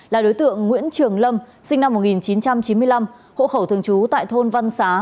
là đối tượng nguyễn trường lâm sinh năm một nghìn chín trăm chín mươi năm hộ khẩu thường trú tại thôn văn xá